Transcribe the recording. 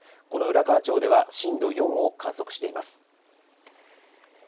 この浦河町では震度４を観測しています。